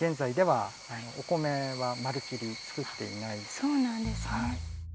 そうなんですね。